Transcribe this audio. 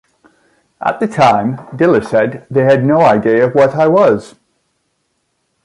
At the time, Diller said, They had no idea what I was.